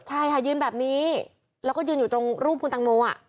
ใช่ค่ะยืนแบบนี้แล้วก็ยืนอยู่ตรงรูปคุณตังโม